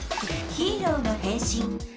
ヒーローの「変身」。